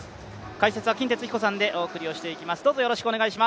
解説は金哲彦さんでお伝えしていきます。